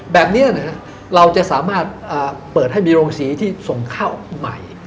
แบบนี้เราจะสามารถเปิดให้มีโรงสีที่ส่งข้าวใหม่